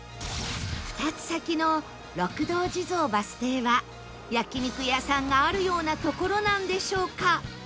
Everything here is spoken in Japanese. ２つ先の六道地蔵バス停は焼肉屋さんがあるような所なんでしょうか？